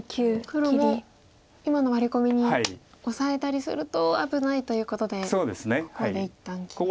黒も今のワリコミにオサえたりすると危ないということでここで一旦切りました。